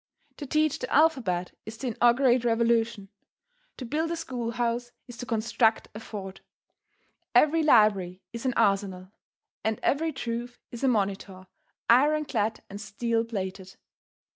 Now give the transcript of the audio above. To teach the alphabet is to inaugurate revolution. To build a schoolhouse is to construct a fort. Every library is an arsenal, and every truth is a monitor, iron clad and steel plated.